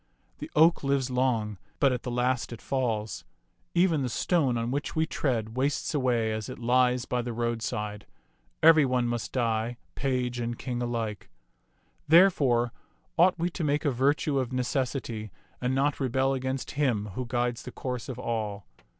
The oak lives long, but at the last it falls. Even the stone on which we tread wastes away as it lies by the roadside. Every one must die, page and king alike. Therefore ought we to make a virtue of necessity and not rebel against Him who guides the course of all.